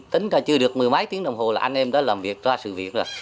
tính ra chưa được mười mấy tiếng đồng hồ là anh em đã làm việc ra sự việc rồi